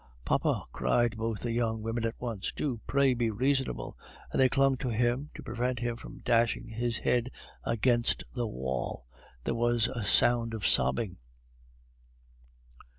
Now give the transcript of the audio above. "Papa!" cried both the young women at once, "do, pray, be reasonable!" and they clung to him to prevent him from dashing his head against the wall. There was a sound of sobbing.